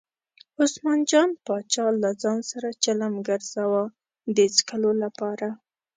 عثمان جان پاچا له ځان سره چلم ګرځاوه د څکلو لپاره.